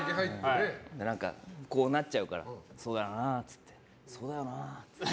こうなっちゃうからそうだよなあ、そうだよなあって。